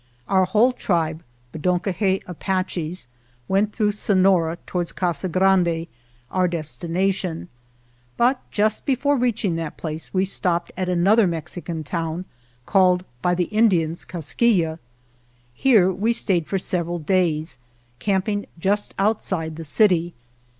Our whole tribe (Bedonkohe Apaches) went through Sonora toward Casa Grande, our destina tion, but just before reaching that place we stopped at another Mexican town called by the Indians " Kas ki yeh." Here we stayed for several days, camping just outside the city.